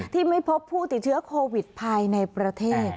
ที่ไม่พบผู้ติดเชื้อโควิดภายในประเทศ